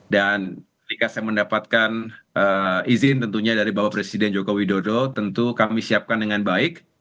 dan ketika saya mendapatkan izin tentunya dari bapak presiden joko widodo tentu kami siapkan dengan baik